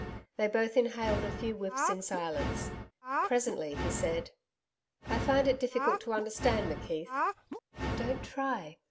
They both inhaled a few whiffs in silence. Presently, he said: 'I find it difficult to understand McKeith.' 'Don't try.